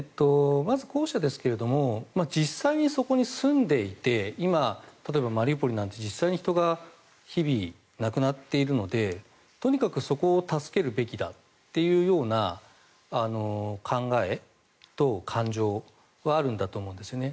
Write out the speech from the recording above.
まず後者ですが実際にそこに住んでいて今、例えばマリウポリなんて実際に人が日々亡くなっているのでとにかくそこを助けるべきだというような考えと感情はあるんだと思うんです。